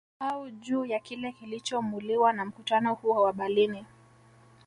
Au juu ya Kile kilichomuliwa na mkutano huo wa Berlini